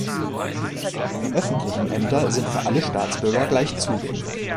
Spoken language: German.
Die öffentlichen Aemter sind für alle Staatsbürger gleich zugänglich.